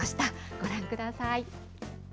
ご覧ください。